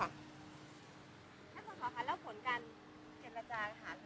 ถ้าคุณขอคำเล่าผลการเก็บรัจจากหาวิทยาลัย